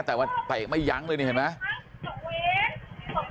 แต่ว่าเตะไม่ยั้งเลยนี่เห็นไหม